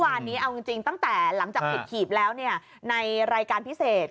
วันนี้เอาจริงตั้งแต่หลังจากปิดหีบแล้วในรายการพิเศษ